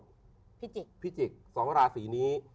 ภิจิกษ์ภิจิกษ์สองราศรีนี้